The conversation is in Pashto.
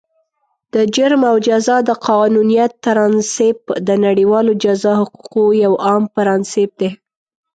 د جرم او جزا د قانونیت پرانسیپ، د نړیوالو جزا حقوقو یو عام پرانسیپ دی.